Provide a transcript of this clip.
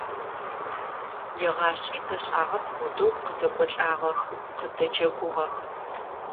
Егъашӏи ташӏагъэм фэдэу къытэкӏолӏагъэх, къыддэджэгугъэх.